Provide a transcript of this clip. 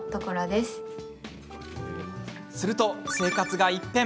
すると生活が一変。